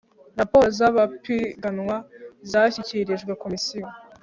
raporo z amapiganwa zashyikirijwe komisiyo